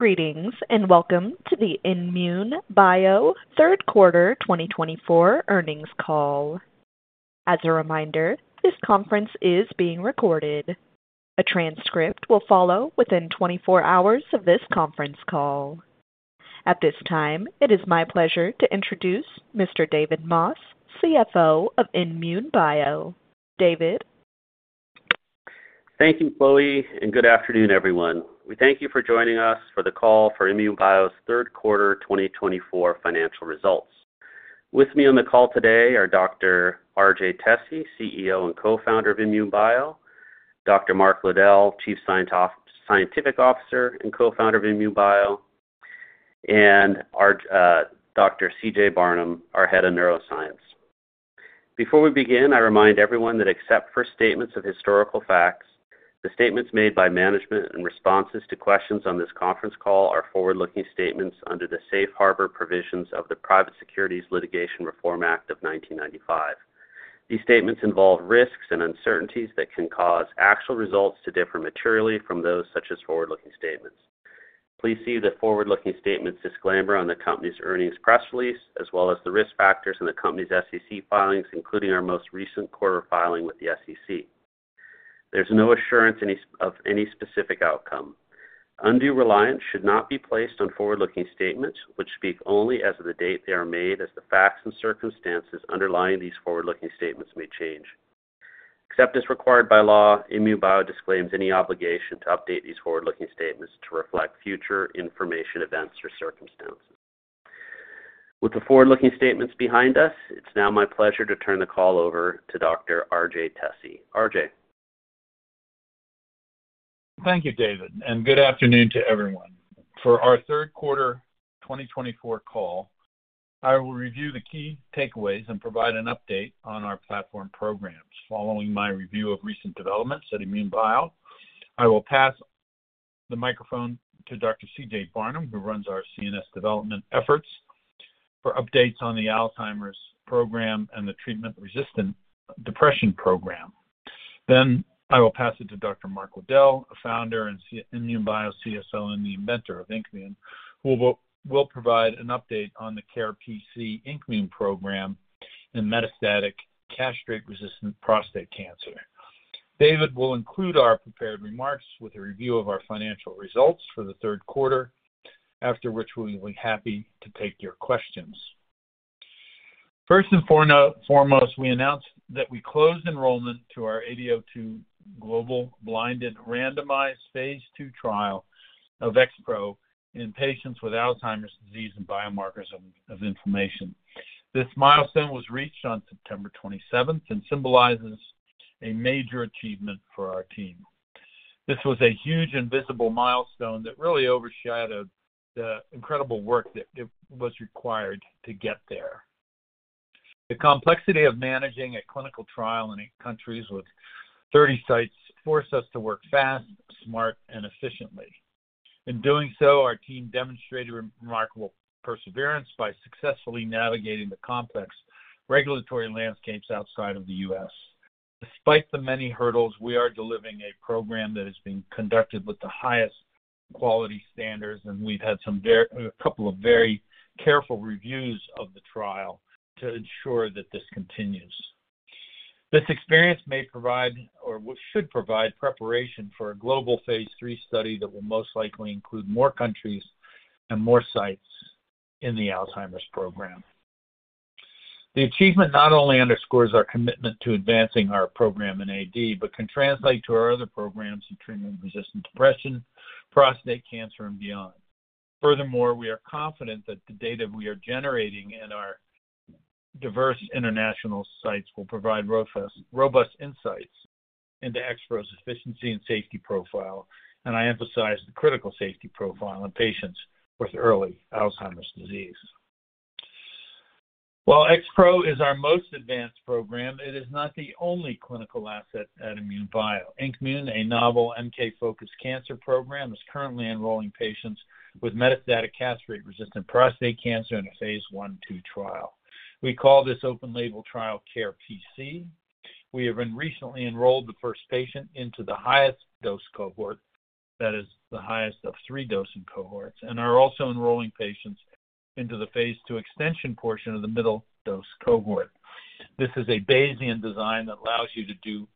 Greetings and welcome to INmune Bio Q3 2024 earnings call. As a reminder, this conference is being recorded. A transcript will follow within 24 hours of this conference call. At this time, it is my pleasure to introduce Mr. David Moss, CFO INmune Bio. David. Thank you, Chloe, and good afternoon, everyone. We thank you for joining us for the call INmune Bio's Q3 2024 financial results. With me on the call today are Dr. RJ Tesi, CEO and Co-Founder INmune Bio, Dr. Mark Lowdell, Chief Scientific Officer and Co-Founder INmune Bio, and Dr. CJ Barnum, our Head of Neuroscience. Before we begin, I remind everyone that except for statements of historical facts, the statements made by management and responses to questions on this conference call are forward-looking statements under the Safe Harbor provisions of the Private Securities Litigation Reform Act of 1995. These statements involve risks and uncertainties that can cause actual results to differ materially from those such as forward-looking statements. Please see the forward-looking statements' disclaimer on the company's earnings press release, as well as the risk factors in the company's SEC filings, including our most recent quarter filing with the SEC. There's no assurance of any specific outcome. Undue reliance should not be placed on forward-looking statements, which speak only as of the date they are made, as the facts and circumstances underlying these forward-looking statements may change. Except as required by INmune Bio disclaims any obligation to update these forward-looking statements to reflect future information, events, or circumstances. With the forward-looking statements behind us, it's now my pleasure to turn the call over to Dr. RJ Tesi. RJ. Thank you, David, and good afternoon to everyone. For our Q3 2024 call, I will review the key takeaways and provide an update on our platform programs. Following my review of recent developments INmune Bio, i will pass the microphone to Dr. CJ Barnum, who runs our CNS development efforts for updates on the Alzheimer's program and the treatment-resistant depression program. Then I will pass it to Dr. Mark Lowdell, Founder INmune Bio CSO and the Inventor of INKmune, who will provide an update on the CaRe-PC INKmune program and metastatic castration-resistant prostate cancer. David will include our prepared remarks with a review of our financial results for the Q3, after which we will be happy to take your questions. First and foremost, we announce that we closed enrollment to our AD02 global blinded randomized phase II trial of XPro in patients with Alzheimer's disease and biomarkers of inflammation. This milestone was reached on September 27th and symbolizes a major achievement for our team. This was a huge and visible milestone that really overshadowed the incredible work that was required to get there. The complexity of managing a clinical trial in eight countries with 30 sites forced us to work fast, smart, and efficiently. In doing so, our team demonstrated remarkable perseverance by successfully navigating the complex regulatory landscapes outside of the U.S. Despite the many hurdles, we are delivering a program that is being conducted with the highest quality standards, and we've had a couple of very careful reviews of the trial to ensure that this continues. This experience may provide or should provide preparation for a global Phase III study that will most likely include more countries and more sites in the Alzheimer's program. The achievement not only underscores our commitment to advancing our program in AD but can translate to our other programs in treatment of resistant depression, prostate cancer, and beyond. Furthermore, we are confident that the data we are generating and our diverse international sites will provide robust insights into XPro's efficacy and safety profile, and I emphasize the critical safety profile in patients with early Alzheimer's disease. While XPro is our most advanced program, it is not the only clinical asset INmune Bio. INKmune, a novel NK-focused cancer program, is currently enrolling patients with metastatic castration-resistant prostate cancer in a Phase I/II trial. We call this open-label trial CaRe-PC. We have recently enrolled the first patient into the highest dose cohort, that is, the highest of three dosing cohorts, and are also enrolling patients into the phase II extension portion of the middle dose cohort. This is a Bayesian design that allows you to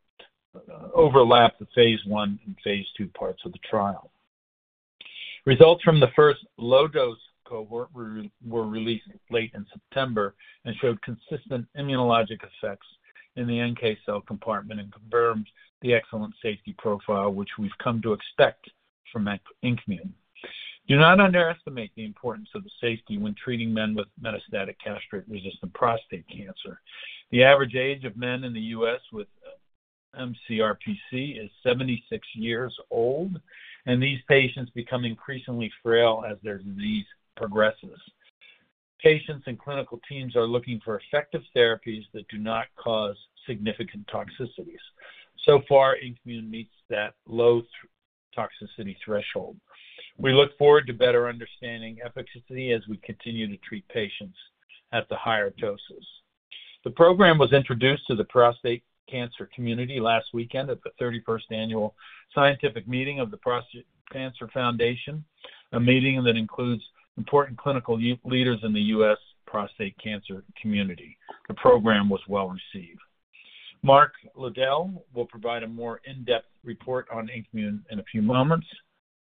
overlap the phase I and phase II parts of the trial. Results from the first low-dose cohort were released late in September and showed consistent immunologic effects in the NK cell compartment and confirmed the excellent safety profile, which we've come to expect from INKmune. Do not underestimate the importance of the safety when treating men with metastatic castration-resistant prostate cancer. The average age of men in the U.S. with mCRPC is 76 years old, and these patients become increasingly frail as their disease progresses. Patients and clinical teams are looking for effective therapies that do not cause significant toxicities. So far, INKmune meets that low toxicity threshold. We look forward to better understanding efficacy as we continue to treat patients at the higher doses. The program was introduced to the prostate cancer community last weekend at the 31st Annual Scientific Meeting of the Prostate Cancer Foundation, a meeting that includes important clinical leaders in the U.S. prostate cancer community. The program was well received. Mark Lowdell will provide a more in-depth report on INKmune in a few moments,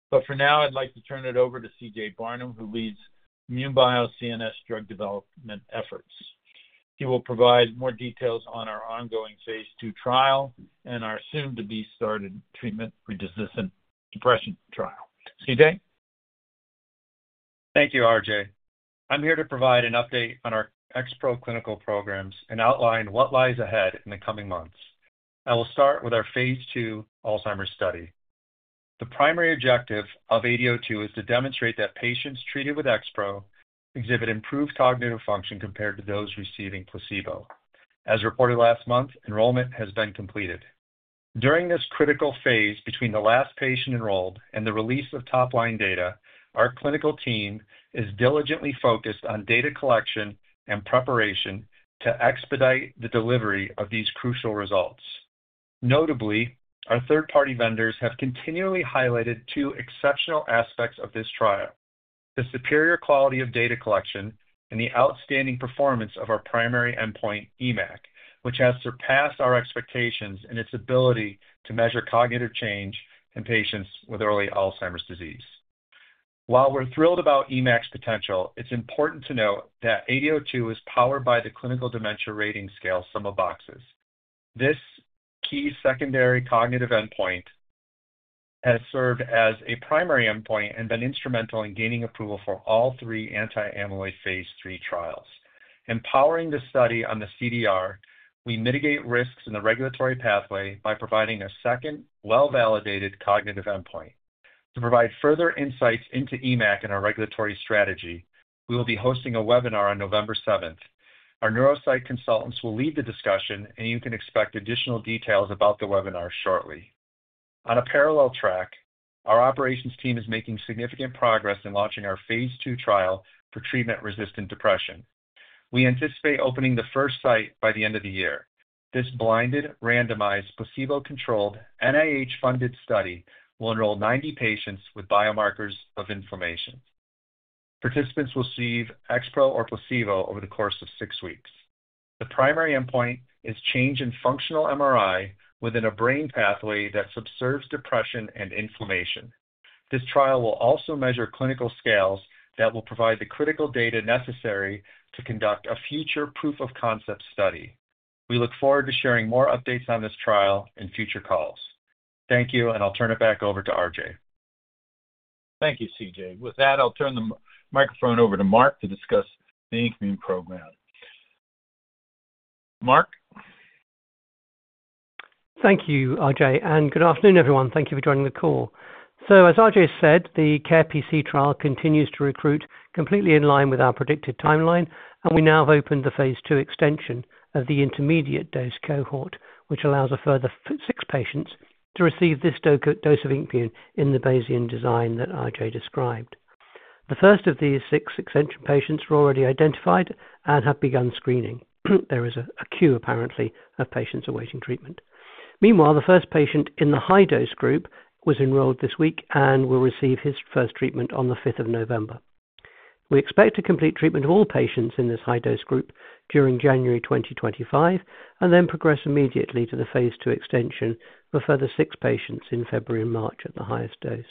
but for now, I'd like to turn it over to CJ Barnum, who INmune Bio's CNS drug development efforts. He will provide more details on our ongoing phase II trial and our soon-to-be-started treatment-resistant depression trial. CJ? Thank you, RJ. I'm here to provide an update on our XPro clinical programs and outline what lies ahead in the coming months. I will start with our phase II Alzheimer's study. The primary objective of AD02 is to demonstrate that patients treated with XPro exhibit improved cognitive function compared to those receiving placebo. As reported last month, enrollment has been completed. During this critical phase between the last patient enrolled and the release of top-line data, our clinical team is diligently focused on data collection and preparation to expedite the delivery of these crucial results. Notably, our third-party vendors have continually highlighted two exceptional aspects of this trial: the superior quality of data collection and the outstanding performance of our primary endpoint, EMACC, which has surpassed our expectations in its ability to measure cognitive change in patients with early Alzheimer's disease. While we're thrilled about EMACC's potential, it's important to note that AD02 is powered by the Clinical Dementia Rating Scale sum of boxes. This key secondary cognitive endpoint has served as a primary endpoint and been instrumental in gaining approval for all three anti-amyloid phase III trials. Empowering the study on the CDR, we mitigate risks in the regulatory pathway by providing a second, well-validated cognitive endpoint. To provide further insights into EMACC and our regulatory strategy, we will be hosting a webinar on November 7th. Our neuropsych consultants will lead the discussion, and you can expect additional details about the webinar shortly. On a parallel track, our operations team is making significant progress in launching our phase II trial for treatment-resistant depression. We anticipate opening the first site by the end of the year. This blinded, randomized, placebo-controlled, NIH-funded study will enroll 90 patients with biomarkers of inflammation. Participants will receive XPro or placebo over the course of six weeks. The primary endpoint is change in functional MRI within a brain pathway that subserves depression and inflammation. This trial will also measure clinical scales that will provide the critical data necessary to conduct a future proof-of-concept study. We look forward to sharing more updates on this trial in future calls. Thank you, and I'll turn it back over to RJ. Thank you, CJ. With that, I'll turn the microphone over to Mark to discuss the INKmune program. Mark. Thank you, RJ, and good afternoon, everyone. Thank you for joining the call. So, as RJ said, the CaRe-PC trial continues to recruit completely in line with our predicted timeline, and we now have opened the phase II extension of the intermediate dose cohort, which allows a further six patients to receive this dose of INKmune in the Bayesian design that RJ described. The first of these six extension patients are already identified and have begun screening. There is a queue, apparently, of patients awaiting treatment. Meanwhile, the first patient in the high-dose group was enrolled this week and will receive his first treatment on the 5th of November. We expect to complete treatment of all patients in this high-dose group during January 2025 and then progress immediately to the phase II extension for further six patients in February and March at the highest dose.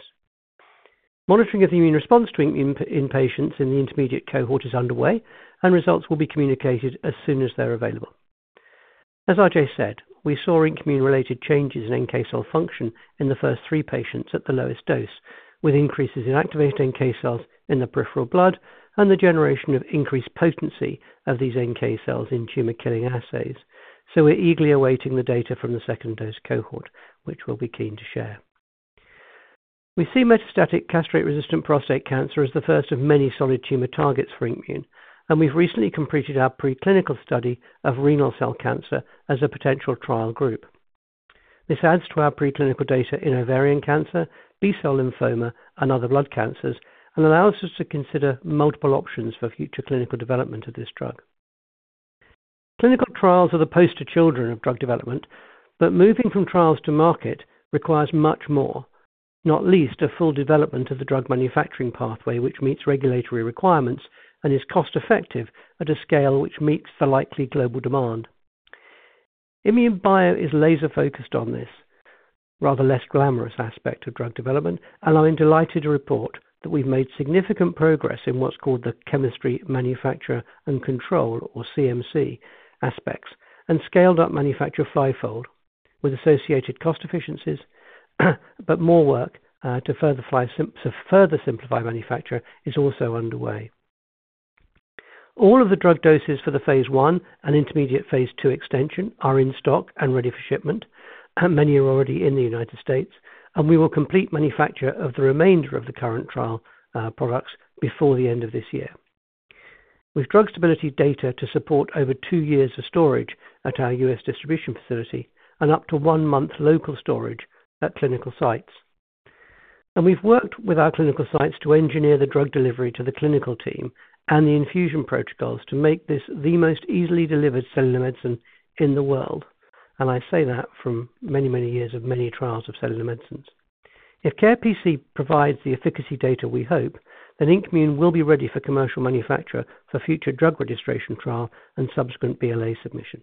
Monitoring of the immune response to INKmune in patients in the intermediate cohort is underway, and results will be communicated as soon as they're available. As RJ said, we saw INKmune-related changes in NK cell function in the first three patients at the lowest dose, with increases in activated NK cells in the peripheral blood and the generation of increased potency of these NK cells in tumor-killing assays. We're eagerly awaiting the data from the second dose cohort, which we'll be keen to share. We see metastatic castration-resistant prostate cancer as the first of many solid tumor targets for INKmune, and we've recently completed our preclinical study of renal cell cancer as a potential trial group. This adds to our preclinical data in ovarian cancer, B-cell lymphoma, and other blood cancers, and allows us to consider multiple options for future clinical development of this drug. Clinical trials are the poster children of drug development, but moving from trials to market requires much more, not least a full development of the drug manufacturing pathway, which meets regulatory requirements and is cost-effective at a scale which meets the likely global INmune Bio is laser-focused on this, rather less glamorous aspect of drug development, allowing I'm delighted to report that we've made significant progress in what's called the chemistry, manufacturing, and controls, or CMC, aspects and scaled-up manufacturing five-fold with associated cost efficiencies, but more work to further simplify manufacture is also underway. All of the drug doses for the phase I and intermediate phase II extension are in stock and ready for shipment. Many are already in the United States, and we will complete manufacture of the remainder of the current trial products before the end of this year, with drug stability data to support over two years of storage at our U.S. distribution facility and up to one-month local storage at clinical sites, and we've worked with our clinical sites to engineer the drug delivery to the clinical team and the infusion protocols to make this the most easily delivered cellular medicine in the world, and I say that from many, many years of many trials of cellular medicines. If CaRe-PC provides the efficacy data we hope, then INKmune will be ready for commercial manufacture for future drug registration trial and subsequent BLA submission,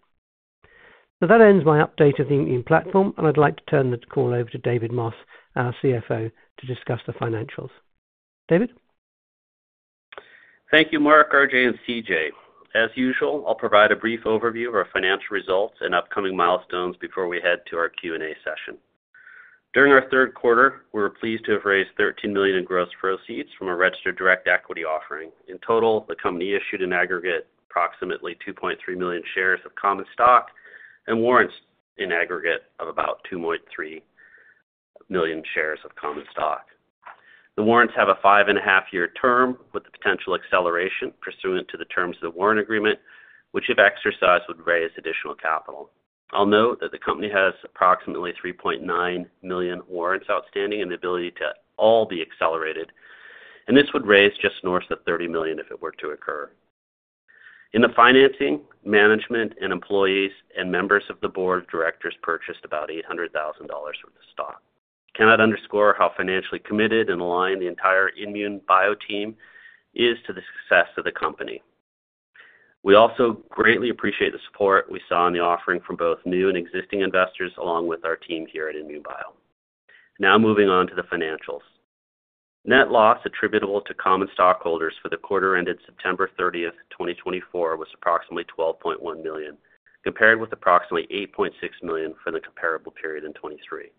so that ends my update of the INKmune platform, and I'd like to turn the call over to David Moss, our CFO, to discuss the financials. David? Thank you, Mark, RJ, and CJ. As usual, I'll provide a brief overview of our financial results and upcoming milestones before we head to our Q&A session. During our Q3, we were pleased to have raised $13 million in gross proceeds from a registered direct equity offering. In total, the company issued in aggregate approximately 2.3 million shares of common stock and warrants in aggregate of about 2.3 million shares of common stock. The warrants have a five-and-a-half-year term with the potential acceleration pursuant to the terms of the warrant agreement, which, if exercised, would raise additional capital. I'll note that the company has approximately 3.9 million warrants outstanding and the ability to all be accelerated, and this would raise just north of $30 million if it were to occur. In the financing, management, and employees and members of the board of directors purchased about $800,000 worth of stock. Cannot underscore how financially committed and aligned the INmune Bio team is to the success of the company. We also greatly appreciate the support we saw in the offering from both new and existing investors, along with our team here INmune Bio. now, moving on to the financials. Net loss attributable to common stockholders for the quarter-ended September 30th, 2024, was approximately $12.1 million, compared with approximately $8.6 million for the comparable period in 2023.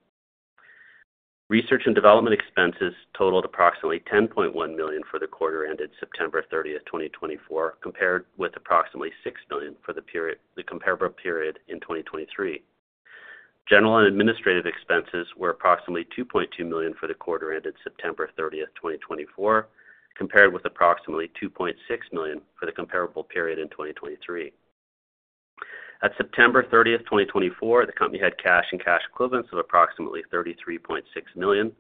Research and development expenses totaled approximately $10.1 million for the quarter-ended September 30th, 2024, compared with approximately $6 million for the comparable period in 2023. General and administrative expenses were approximately $2.2 million for the quarter-ended September 30th, 2024, compared with approximately $2.6 million for the comparable period in 2023. At September 30th, 2024, the company had cash and cash equivalents of approximately $33.6 million.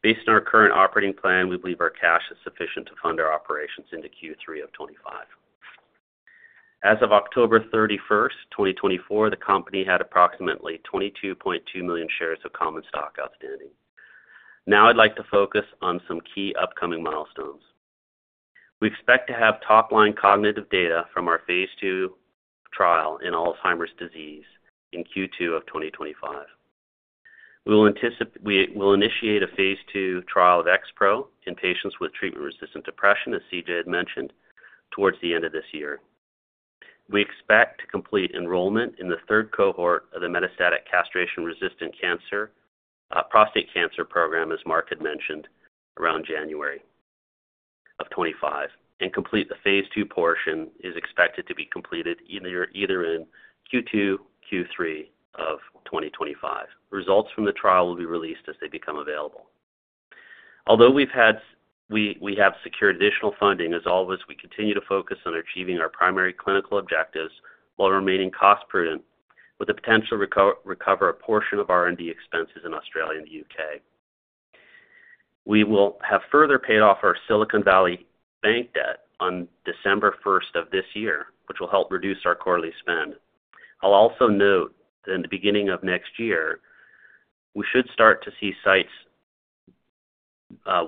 Based on our current operating plan, we believe our cash is sufficient to fund our operations into Q3 of 2025. As of October 31st, 2024, the company had approximately 22.2 million shares of common stock outstanding. Now, I'd like to focus on some key upcoming milestones. We expect to have top-line cognitive data from our phase II trial in Alzheimer's disease in Q2 of 2025. We will initiate a phase II trial of XPro in patients with treatment-resistant depression, as CJ had mentioned, towards the end of this year. We expect to complete enrollment in the third cohort of the metastatic castration-resistant prostate cancer program, as Mark had mentioned, around January of 2025, and complete the phase II portion is expected to be completed either in Q2, Q3 of 2025. Results from the trial will be released as they become available. Although we have secured additional funding, as always, we continue to focus on achieving our primary clinical objectives while remaining cost-prudent, with the potential to recover a portion of R&D expenses in Australia and the U.K. We will have further paid off our Silicon Valley Bank debt on December 1st of this year, which will help reduce our quarterly spend. I'll also note that in the beginning of next year, we should start to see sites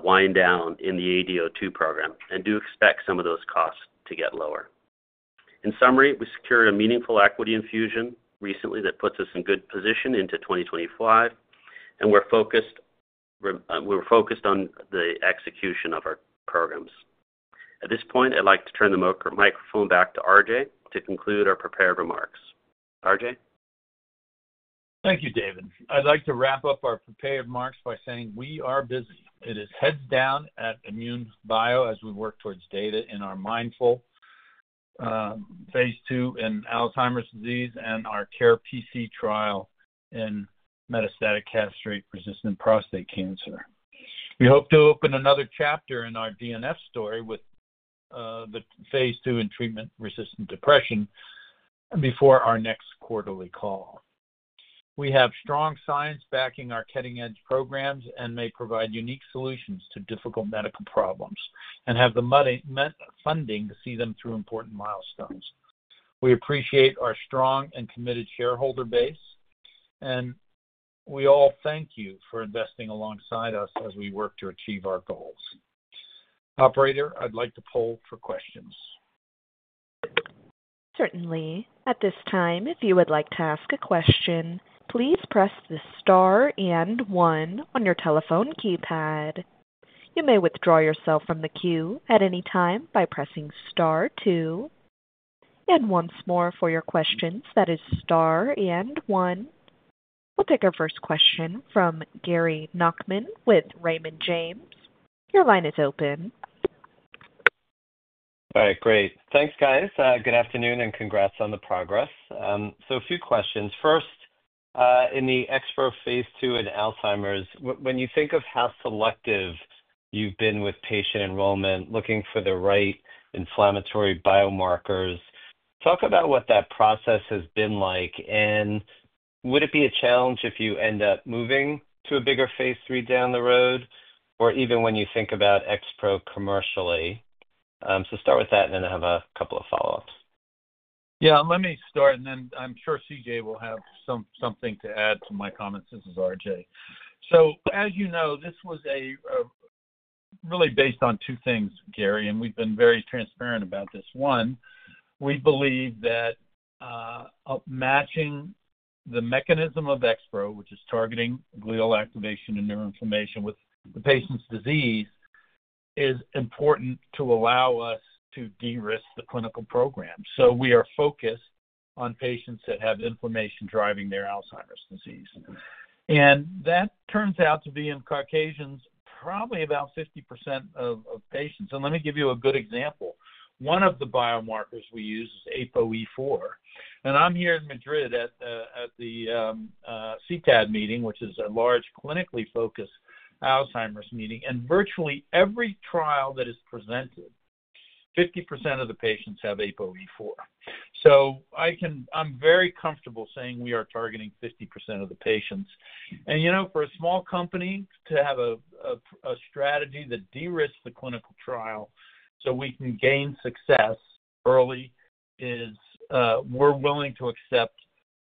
wind down in the AD02 program and do expect some of those costs to get lower. In summary, we secured a meaningful equity infusion recently that puts us in good position into 2025, and we're focused on the execution of our programs. At this point, I'd like to turn the microphone back to RJ to conclude our prepared remarks. RJ? Thank you, David. I'd like to wrap up our prepared remarks by saying we are busy. It is heads down INmune Bio as we work towards data in our AD02 phase II in Alzheimer's disease and our CaRe-PC trial in metastatic castration-resistant prostate cancer. We hope to open another chapter in our TNF story with the phase II in treatment-resistant depression before our next quarterly call. We have strong science backing our cutting-edge programs and may provide unique solutions to difficult medical problems and have the funding to see them through important milestones. We appreciate our strong and committed shareholder base, and we all thank you for investing alongside us as we work to achieve our goals. Operator, I'd like to poll for questions. Certainly. At this time, if you would like to ask a question, please press the star and one on your telephone keypad. You may withdraw yourself from the queue at any time by pressing star two. And once more, for your questions, that is star and one. We'll take our first question from Gary Nachman with Raymond James. Your line is open. All right. Great. Thanks, guys. Good afternoon and congrats on the progress. So, a few questions. First, in the XPro phase II in Alzheimer's, when you think of how selective you've been with patient enrollment, looking for the right inflammatory biomarkers, talk about what that process has been like, and would it be a challenge if you end up moving to a bigger phase III down the road, or even when you think about XPro commercially? So, start with that, and then I have a couple of follow-ups. Yeah. Let me start, and then I'm sure CJ will have something to add to my comments. This is RJ. So, as you know, this was really based on two things, Gary, and we've been very transparent about this. One, we believe that matching the mechanism of XPro, which is targeting glial activation and neuroinflammation with the patient's disease, is important to allow us to de-risk the clinical program. So, we are focused on patients that have inflammation driving their Alzheimer's disease. And that turns out to be, in Caucasians, probably about 50% of patients. And let me give you a good example. One of the biomarkers we use is APOE4. And I'm here in Madrid at the CTAD meeting, which is a large clinically focused Alzheimer's meeting, and virtually every trial that is presented, 50% of the patients have APOE4. So, I'm very comfortable saying we are targeting 50% of the patients. And for a small company to have a strategy that de-risk the clinical trial so we can gain success early is we're willing to accept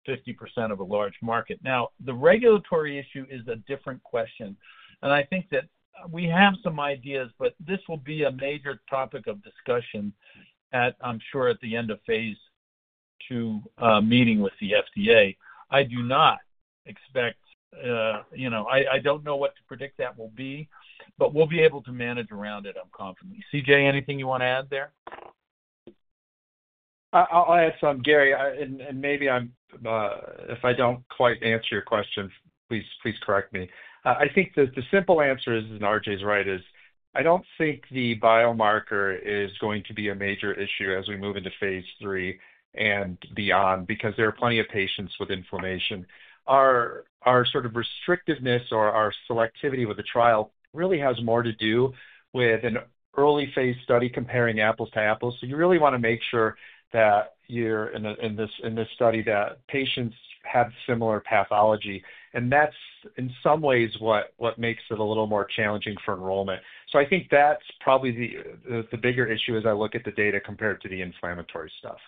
50% of a large market. Now, the regulatory issue is a different question, and I think that we have some ideas, but this will be a major topic of discussion, I'm sure, at the end of phase II meeting with the FDA. I do not expect. I don't know what to predict that will be, but we'll be able to manage around it, I'm confident. CJ, anything you want to add there? I'll add something, Gary, and maybe if I don't quite answer your question, please correct me. I think the simple answer is, and RJ's right, is I don't think the biomarker is going to be a major issue as we move into phase III and beyond because there are plenty of patients with inflammation. Our sort of restrictiveness or our selectivity with the trial really has more to do with an early-phase study comparing apples to apples. So, you really want to make sure that you're in this study that patients have similar pathology, and that's in some ways what makes it a little more challenging for enrollment. So, I think that's probably the bigger issue as I look at the data compared to the inflammatory stuff.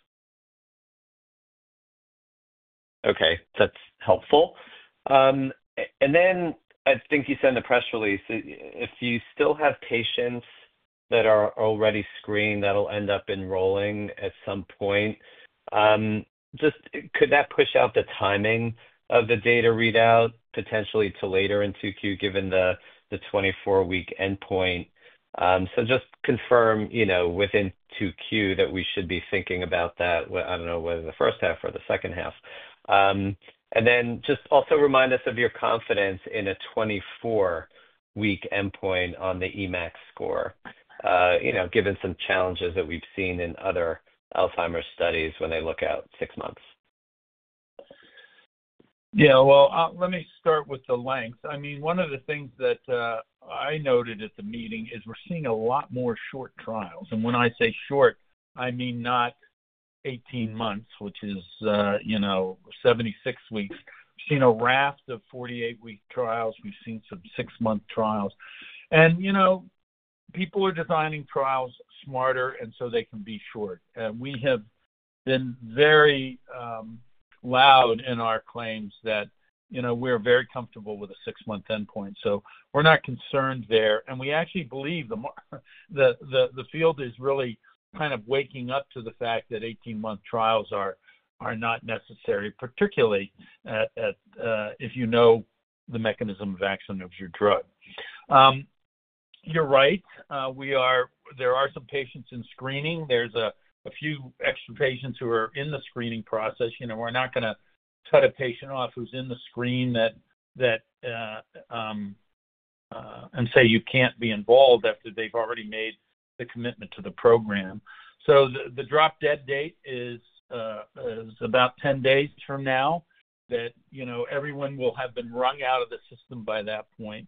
Okay. That's helpful. And then I think you sent the press release. If you still have patients that are already screened, that'll end up enrolling at some point. Just could that push out the timing of the data readout potentially to later in Q2, given the 24-week endpoint? So, just confirm within Q2 that we should be thinking about that, I don't know whether the first half or the second half. And then just also remind us of your confidence in a 24-week endpoint on the EMACC score, given some challenges that we've seen in other Alzheimer's studies when they look out six months. Yeah. Well, let me start with the length. I mean, one of the things that I noted at the meeting is we're seeing a lot more short trials. And when I say short, I mean not 18 months, which is 76 weeks. We've seen a raft of 48-week trials. We've seen some six-month trials. And people are designing trials smarter, and so they can be short. And we have been very loud in our claims that we're very comfortable with a six-month endpoint. So, we're not concerned there. And we actually believe the field is really kind of waking up to the fact that 18-month trials are not necessary, particularly if you know the mechanism of action of your drug. You're right. There are some patients in screening. There's a few extra patients who are in the screening process. We're not going to cut a patient off who's in the screen and say you can't be involved after they've already made the commitment to the program. So, the drop-dead date is about 10 days from now, that everyone will have been rung out of the system by that point.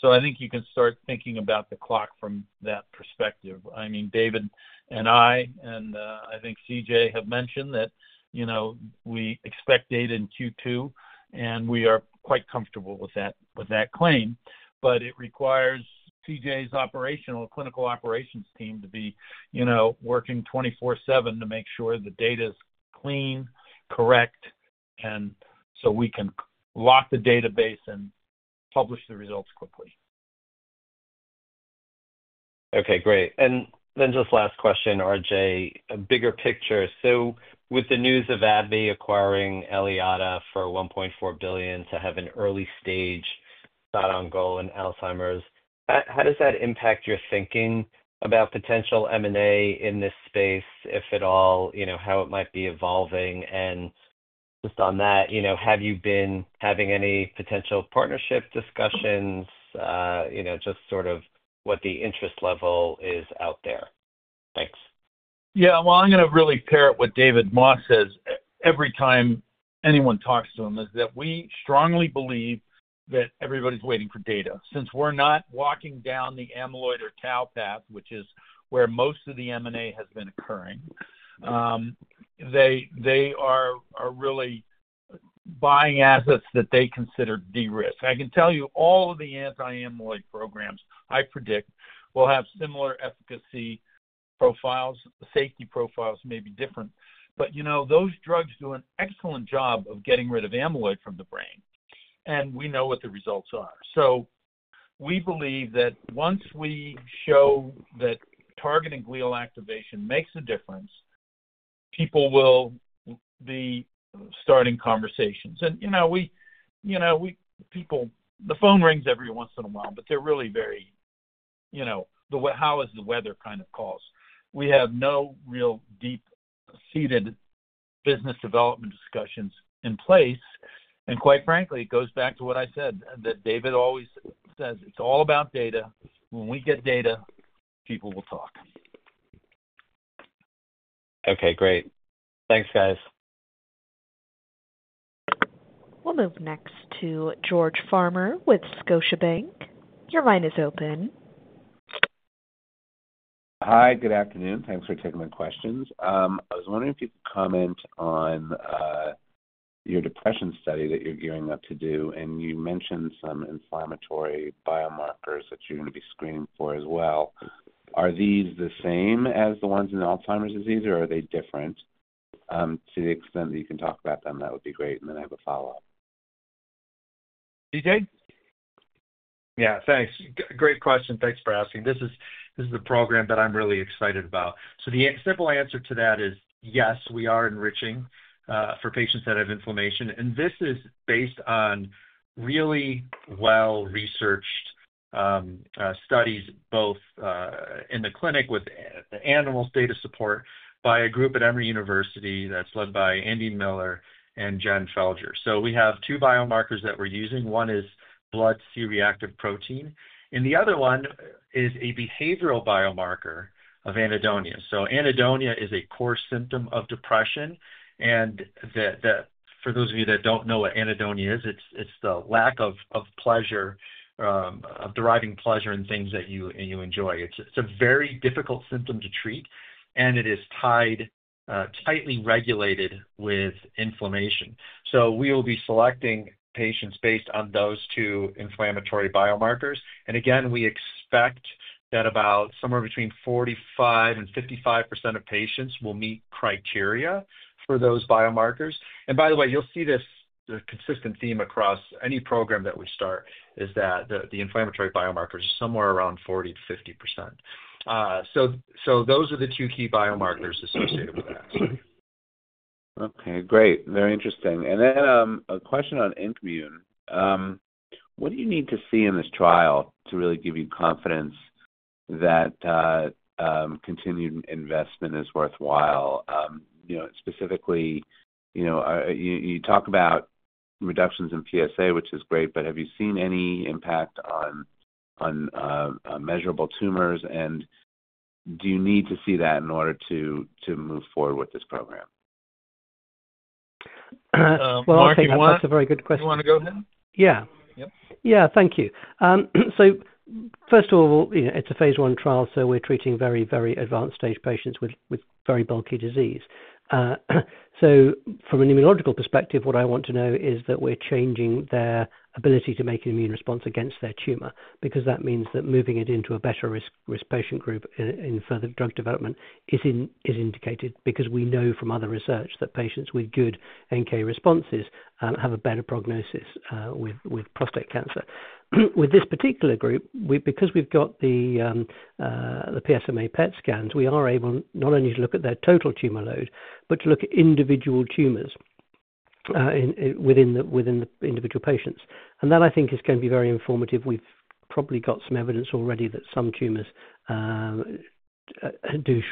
So, I think you can start thinking about the clock from that perspective. I mean, David and I, and I think CJ have mentioned that we expect data in Q2, and we are quite comfortable with that claim, but it requires CJ's clinical operations team to be working 24/7 to make sure the data's clean, correct, and so we can lock the database and publish the results quickly. Okay. Great. And then just last question, RJ, a bigger picture. So, with the news of AbbVie acquiring Aliada for $1.4 billion to have an early-stage starting goal in Alzheimer's, how does that impact your thinking about potential M&A in this space, if at all, how it might be evolving? And just on that, have you been having any potential partnership discussions, just sort of what the interest level is out there? Thanks. Yeah. Well, I'm going to really pair it with David Moss's every time anyone talks to him, is that we strongly believe that everybody's waiting for data. Since we're not walking down the amyloid or tau path, which is where most of the M&A has been occurring, they are really buying assets that they consider de-risk. I can tell you all of the anti-amyloid programs I predict will have similar efficacy profiles. The safety profiles may be different, but those drugs do an excellent job of getting rid of amyloid from the brain, and we know what the results are. So, we believe that once we show that targeting glial activation makes a difference, people will be starting conversations. And people, the phone rings every once in a while, but they're really very how-is-the-weather kind of calls. We have no real deep-seated business development discussions in place. Quite frankly, it goes back to what I said, that David always says, "It's all about data. When we get data, people will talk. Okay. Great. Thanks, guys. We'll move next to George Farmer with Scotiabank. Your line is open. Hi. Good afternoon. Thanks for taking my questions. I was wondering if you could comment on your depression study that you're gearing up to do, and you mentioned some inflammatory biomarkers that you're going to be screening for as well. Are these the same as the ones in Alzheimer's disease, or are they different? To the extent that you can talk about them, that would be great. And then I have a follow-up. CJ? Yeah. Thanks. Great question. Thanks for asking. This is the program that I'm really excited about. So the simple answer to that is yes, we are enriching for patients that have inflammation. And this is based on really well-researched studies, both in the clinic with animal data support by a group at Emory University that's led by Andrew Miller and Jennifer Felger. So we have two biomarkers that we're using. One is blood C-reactive protein, and the other one is a behavioral biomarker of anhedonia. So anhedonia is a core symptom of depression. And for those of you that don't know what anhedonia is, it's the lack of pleasure, of deriving pleasure in things that you enjoy. It's a very difficult symptom to treat, and it is tightly regulated with inflammation. So we will be selecting patients based on those two inflammatory biomarkers. And again, we expect that about somewhere between 45% and 55% of patients will meet criteria for those biomarkers. And by the way, you'll see this consistent theme across any program that we start, is that the inflammatory biomarkers are somewhere around 40%-50%. So, those are the two key biomarkers associated with that. Okay. Great. Very interesting. And then a question on INKmune. What do you need to see in this trial to really give you confidence that continued investment is worthwhile? Specifically, you talk about reductions in PSA, which is great, but have you seen any impact on measurable tumors, and do you need to see that in order to move forward with this program? I think that's a very good question. You want to go ahead? Yeah. Yep. Yeah. Thank you. So, first of all, it's a phase I trial, so we're treating very, very advanced-stage patients with very bulky disease. So, from an immunological perspective, what I want to know is that we're changing their ability to make an immune response against their tumor because that means that moving it into a better-risk patient group in further drug development is indicated because we know from other research that patients with good NK responses have a better prognosis with prostate cancer. With this particular group, because we've got the PSMA PET scans, we are able not only to look at their total tumor load, but to look at individual tumors within the individual patients. And that, I think, is going to be very informative. We've probably got some evidence already that some tumors do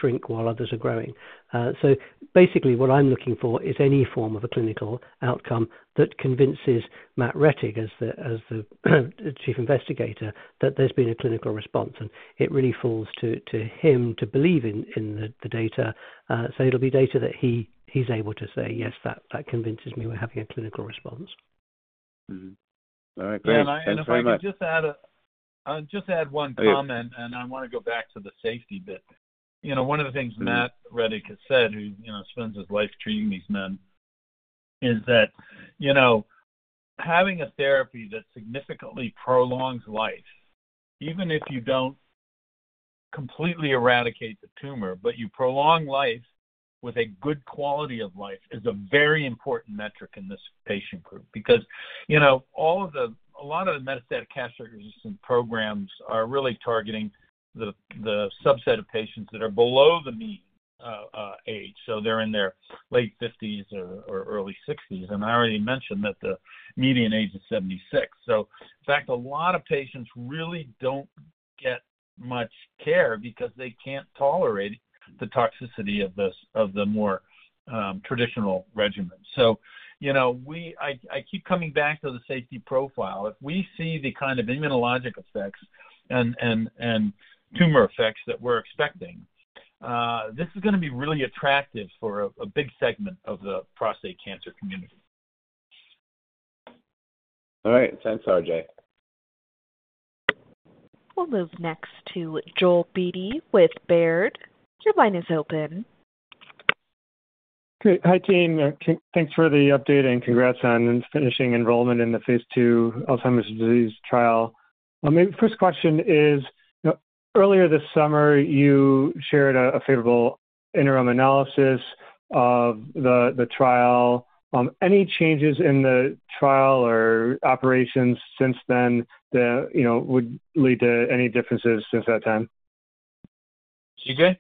shrink while others are growing. So, basically, what I'm looking for is any form of a clinical outcome that convinces Matt Rettig as the chief investigator that there's been a clinical response. And it really falls to him to believe in the data. So, it'll be data that he's able to say, "Yes, that convinces me we're having a clinical response. All right. Thanks very much. If I may just add one comment, and I want to go back to the safety bit. One of the things Matt Rettig has said, who spends his life treating these men, is that having a therapy that significantly prolongs life, even if you don't completely eradicate the tumor, but you prolong life with a good quality of life, is a very important metric in this patient group because a lot of the metastatic castration-resistant programs are really targeting the subset of patients that are below the mean age. So, they're in their late 50s or early 60s. And I already mentioned that the median age is 76. So, in fact, a lot of patients really don't get much care because they can't tolerate the toxicity of the more traditional regimen. So, I keep coming back to the safety profile. If we see the kind of immunologic effects and tumor effects that we're expecting, this is going to be really attractive for a big segment of the prostate cancer community. All right. Thanks, RJ. We'll move next to Joel Beatty with Baird. Your line is open. Okay. Hi, team. Thanks for the update and congrats on finishing enrollment in the phase II Alzheimer's disease trial. First question is, earlier this summer, you shared a favorable interim analysis of the trial. Any changes in the trial or operations since then that would lead to any differences since that time? CJ?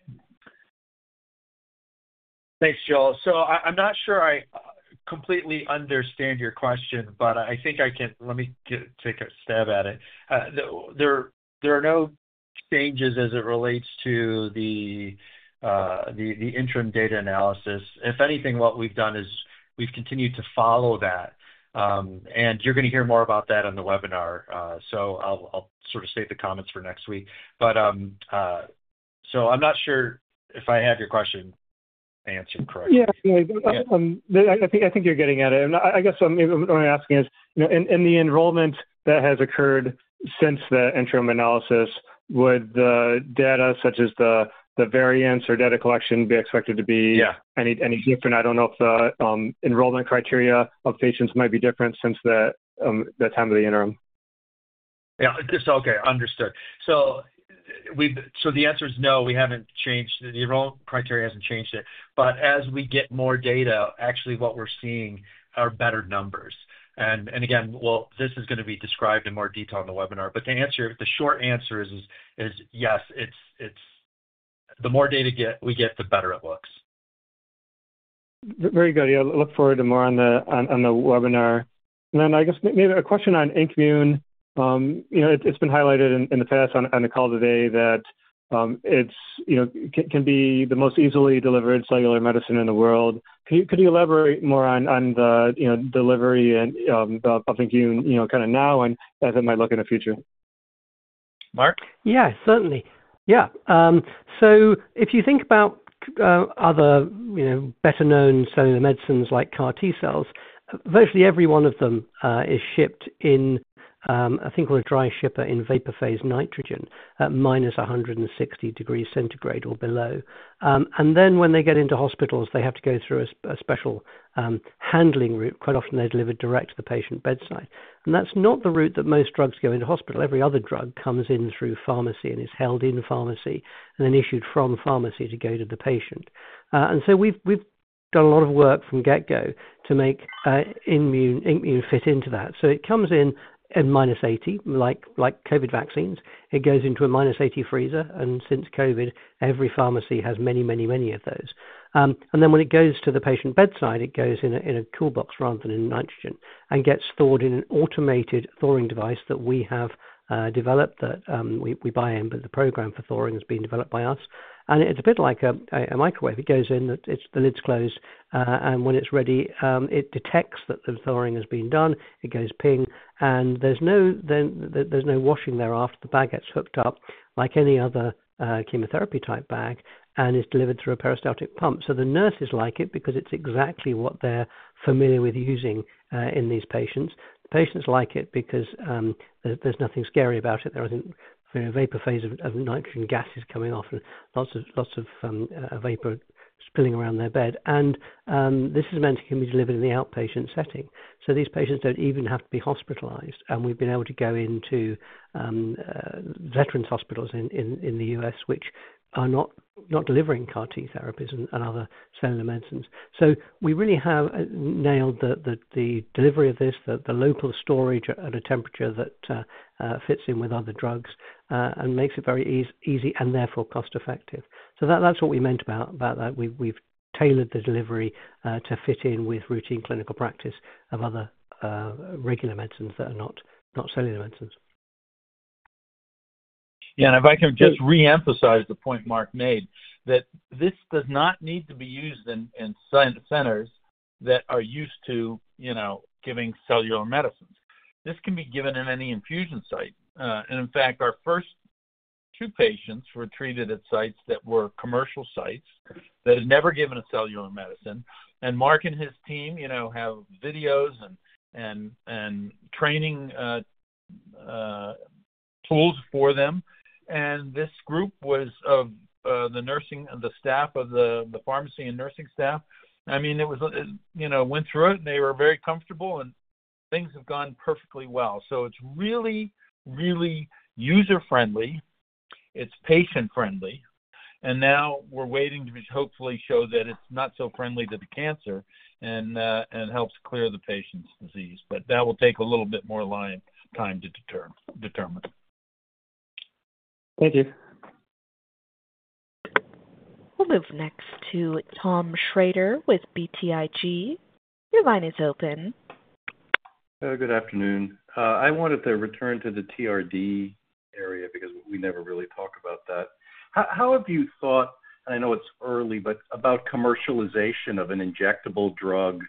Thanks, Joel. So, I'm not sure I completely understand your question, but I think I can let me take a stab at it. There are no changes as it relates to the interim data analysis. If anything, what we've done is we've continued to follow that. And you're going to hear more about that in the webinar. So, I'll sort of save the comments for next week. So, I'm not sure if I have your question answered correctly. Yeah. Yeah. I think you're getting at it. And I guess what I'm asking is, in the enrollment that has occurred since the interim analysis, would the data, such as the variance or data collection, be expected to be any different? I don't know if the enrollment criteria of patients might be different since the time of the interim. Yeah. Okay. Understood. So, the answer is no. We haven't changed the enrollment criteria. It hasn't changed. But as we get more data, actually, what we're seeing are better numbers. And again, well, this is going to be described in more detail in the webinar. But the short answer is yes. The more data we get, the better it looks. Very good. Yeah. Look forward to more on the webinar. And then I guess maybe a question on INKmune. It's been highlighted in the past on the call today that it can be the most easily delivered cellular medicine in the world. Could you elaborate more on the delivery of INKmune kind of now and as it might look in the future? Mark? Yeah. Certainly. Yeah. So, if you think about other better-known cellular medicines like CAR T-cells, virtually every one of them is shipped in, I think, with a dry shipper in vapor phase nitrogen at minus 160 degrees centigrade or below. And then when they get into hospitals, they have to go through a special handling route. Quite often, they're delivered direct to the patient bedside. And that's not the route that most drugs go into hospital. Every other drug comes in through pharmacy and is held in pharmacy and then issued from pharmacy to go to the patient. And so, we've done a lot of work from get-go to make INKmune fit into that. So, it comes in at minus 80, like COVID vaccines. It goes into a minus 80 freezer. And since COVID, every pharmacy has many, many, many of those. And then when it goes to the patient bedside, it goes in a cool box rather than in nitrogen and gets stored in an automated thawing device that we have developed that we buy in, but the program for thawing has been developed by us. And it's a bit like a microwave. It goes in. The lid's closed. And when it's ready, it detects that the thawing has been done. It goes ping. And there's no washing thereafter. The bag gets hooked up like any other chemotherapy-type bag and is delivered through a peristaltic pump. So, the nurses like it because it's exactly what they're familiar with using in these patients. Patients like it because there's nothing scary about it. There isn't a vapor phase of nitrogen gases coming off and lots of vapor spilling around their bed. And this is meant to be delivered in the outpatient setting. So, these patients don't even have to be hospitalized. And we've been able to go into veterans' hospitals in the U.S., which are not delivering CAR T therapies and other cellular medicines. So, we really have nailed the delivery of this, the local storage at a temperature that fits in with other drugs and makes it very easy and therefore cost-effective. So, that's what we meant about that. We've tailored the delivery to fit in with routine clinical practice of other regular medicines that are not cellular medicines. Yeah. And if I can just re-emphasize the point Mark made, that this does not need to be used in centers that are used to giving cellular medicines. This can be given in any infusion site. And in fact, our first two patients were treated at sites that were commercial sites that had never given a cellular medicine. And Mark and his team have videos and training tools for them. And this group was of the staff of the pharmacy and nursing staff. I mean, it went through it, and they were very comfortable, and things have gone perfectly well. So, it's really, really user-friendly. It's patient-friendly. And now we're waiting to hopefully show that it's not so friendly to the cancer and helps clear the patient's disease. But that will take a little bit more time to determine. Thank you. We'll move next to Tom Schrader with BTIG. Your line is open. Good afternoon. I wanted to return to the TRD area because we never really talk about that. How have you thought, and I know it's early, but about commercialization of an injectable drug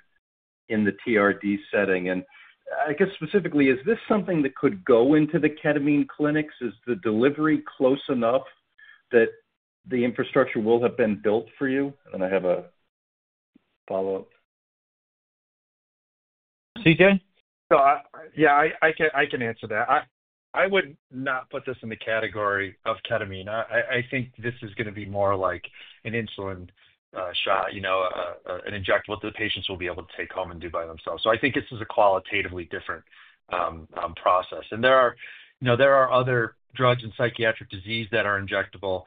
in the TRD setting? And I guess specifically, is this something that could go into the ketamine clinics? Is the delivery close enough that the infrastructure will have been built for you? And then I have a follow-up. CJ? So, yeah, I can answer that. I would not put this in the category of ketamine. I think this is going to be more like an insulin shot, an injectable that the patients will be able to take home and do by themselves. So, I think this is a qualitatively different process. And there are other drugs in psychiatric disease that are injectable,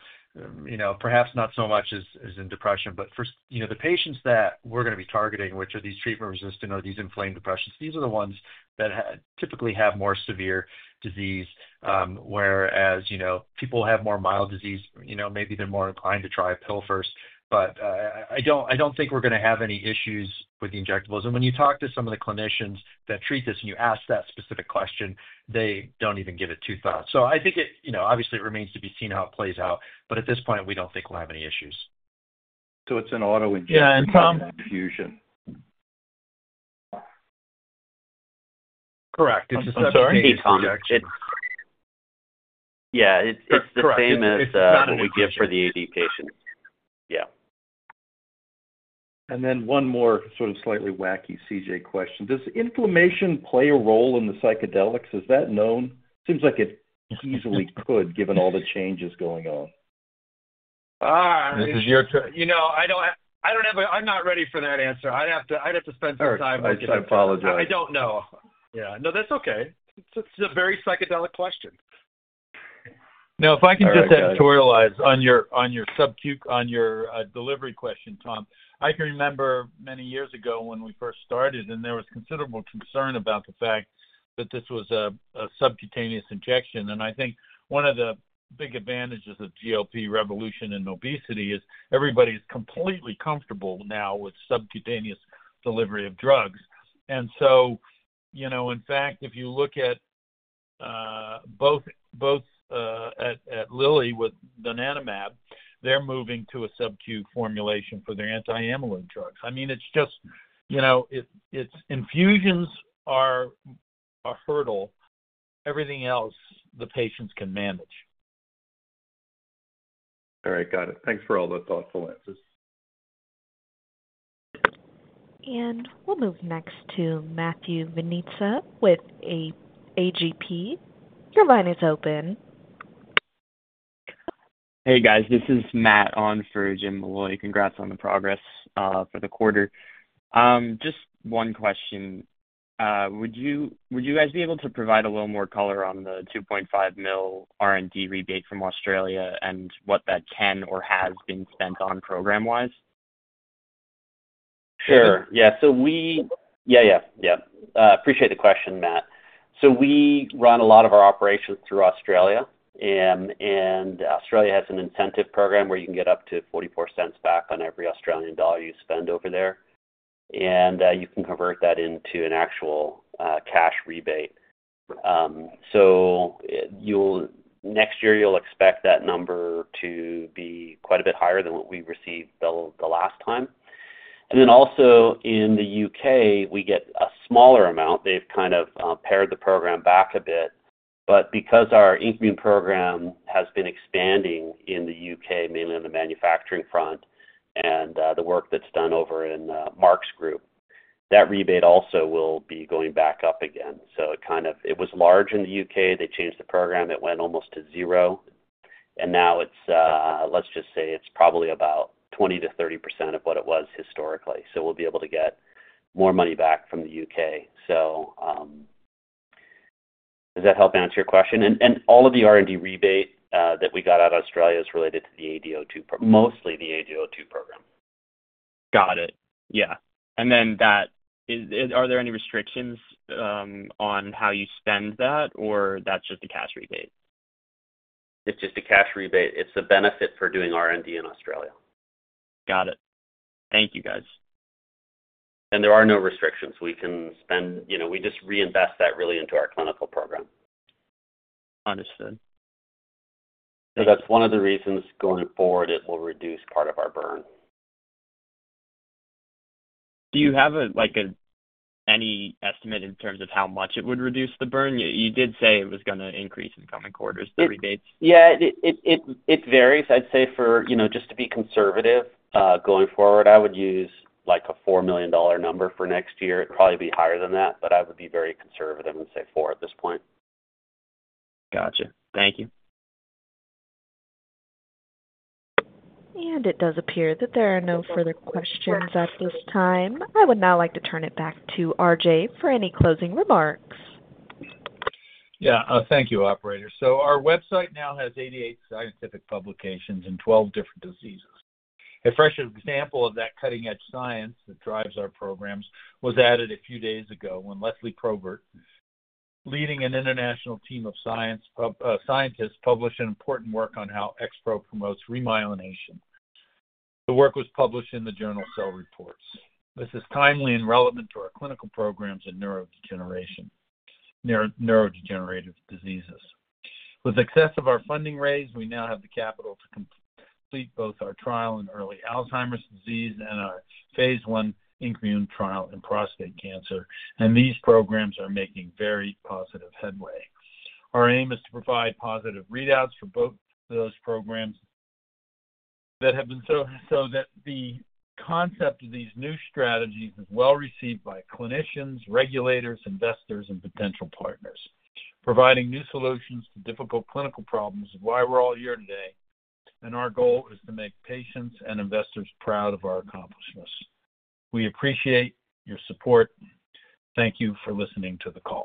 perhaps not so much as in depression. But the patients that we're going to be targeting, which are these treatment-resistant or these inflamed depressions, these are the ones that typically have more severe disease, whereas people who have more mild disease, maybe they're more inclined to try a pill first. But I don't think we're going to have any issues with the injectables. And when you talk to some of the clinicians that treat this and you ask that specific question, they don't even give it two thoughts. So, I think obviously, it remains to be seen how it plays out. But at this point, we don't think we'll have any issues. It's an auto-injected infusion? Tom? Correct. I'm sorry? Yeah. It's the same as what we give for the AD patients. Yeah. Then one more sort of slightly wacky CJ question. Does inflammation play a role in the psychedelics? Is that known? Seems like it easily could, given all the changes going on. This is your turn. I don't have a. I'm not ready for that answer. I'd have to spend some time on it. I apologize. I don't know. Yeah. No, that's okay. It's a very psychedelic question. Now, if I can just editorialize on your delivery question, Tom, I can remember many years ago when we first started, and there was considerable concern about the fact that this was a subcutaneous injection. And I think one of the big advantages of GLP revolution in obesity is everybody is completely comfortable now with subcutaneous delivery of drugs. And so, in fact, if you look at both at Lilly with donanemab, they're moving to a subQ formulation for their anti-amyloid drugs. I mean, it's just, infusions are a hurdle. Everything else, the patients can manage. All right. Got it. Thanks for all the thoughtful answers. And we'll move next to Matthew Venuto with AGP. Your line is open. Hey, guys. This is Matt on for James Molloy. Congrats on the progress for the quarter. Just one question. Would you guys be able to provide a little more color on the 2.5 million R&D rebate from Australia and what that can or has been spent on program-wise? Sure. Appreciate the question, Matt. So, we run a lot of our operations through Australia. And Australia has an incentive program where you can get up to 44 cents back on every Australian dollar you spend over there. And you can convert that into an actual cash rebate. So, next year, you'll expect that number to be quite a bit higher than what we received the last time. And then also, in the U.K., we get a smaller amount. They've kind of pared the program back a bit. But because our INKmune program has been expanding in the U.K., mainly on the manufacturing front and the work that's done over in Mark's group, that rebate also will be going back up again. So, it was large in the U.K. They changed the program. It went almost to zero. And now, let's just say it's probably about 20%-30% of what it was historically. So, we'll be able to get more money back from the U.K. So, does that help answer your question? And all of the R&D rebate that we got out of Australia is related to the AD02, mostly the AD02 program. Got it. Yeah. And then are there any restrictions on how you spend that, or that's just a cash rebate? It's just a cash rebate. It's a benefit for doing R&D in Australia. Got it. Thank you, guys. There are no restrictions. We can spend. We just reinvest that really into our clinical program. Understood. So, that's one of the reasons going forward it will reduce part of our burn. Do you have any estimate in terms of how much it would reduce the burn? You did say it was going to increase in the coming quarters, the rebates. Yeah. It varies. I'd say for just to be conservative going forward, I would use a $4 million number for next year. It'd probably be higher than that, but I would be very conservative and say 4 at this point. Gotcha. Thank you. It does appear that there are no further questions at this time. I would now like to turn it back to RJ for any closing remarks. Yeah. Thank you, operator. So, our website now has 88 scientific publications in 12 different diseases. A fresh example of that cutting-edge science that drives our programs was added a few days ago when Lesley Probert, leading an international team of scientists, published an important work on how XPro promotes remyelination. The work was published in the journal Cell Reports. This is timely and relevant to our clinical programs in neurodegenerative diseases. With excess of our funding raised, we now have the capital to complete both our trial in early Alzheimer's disease and our phase I INKmune trial in prostate cancer. And these programs are making very positive headway. Our aim is to provide positive readouts for both of those programs that have been, so that the concept of these new strategies is well received by clinicians, regulators, investors, and potential partners. Providing new solutions to difficult clinical problems is why we're all here today, and our goal is to make patients and investors proud of our accomplishments. We appreciate your support. Thank you for listening to the call.